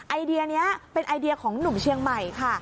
ไอเดียนี้เป็นไอเดียของหนุ่มเชียงใหม่ค่ะ